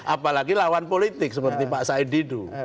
apalagi lawan politik seperti pak said didu